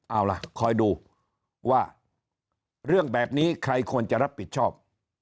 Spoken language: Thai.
เอาล่ะคอยดูว่าเรื่องแบบนี้ใครควรจะรับผิดชอบ